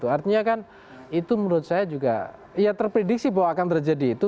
artinya kan itu menurut saya juga ya terprediksi bahwa akan terjadi itu